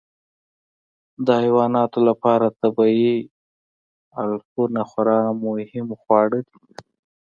د حیواناتو لپاره طبیعي علفونه خورا مهم خواړه دي.